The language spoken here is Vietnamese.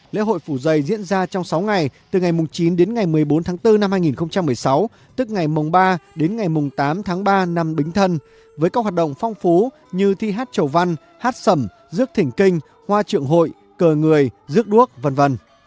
lễ hội phủ dây diễn ra trong sáu ngày từ ngày chín đến ngày một mươi bốn tháng bốn năm hai nghìn một mươi sáu tức ngày mùng ba đến ngày mùng tám tháng ba năm bính thân với các hoạt động phong phú như thi hát chầu văn hát sẩm rước thỉnh kinh hoa trưởng hội cờ người rước đuốc v v